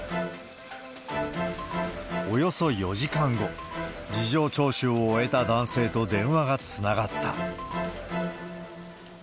およそ４時間後、事情聴取を終えた男性と電話がつながった。